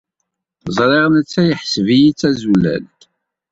Ẓriɣ netta yeḥseb-iyi d tazulalt.